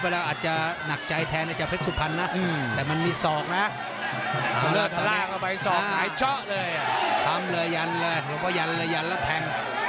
ไปแล้วอาจจะหนักใจแทงจะผลักสุพรรณนะอือ